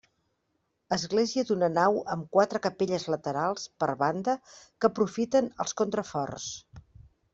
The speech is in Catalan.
Església d'una nau amb quatre capelles laterals per banda que aprofiten els contraforts.